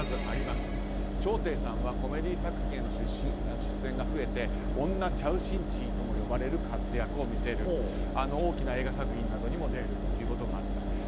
チョウ・テイさんはコメディー作品の出演が増えて女チャウ・シンチーともいわれる活躍を見せる大きな映画作品などにも出ることがあった。